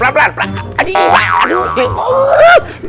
pelan pelan pelan